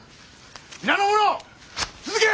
皆の者続け！